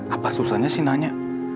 apa susahnya sih nanya